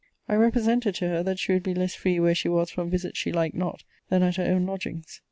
I represented to her that she would be less free where she was from visits she liked not, than at her own lodgings.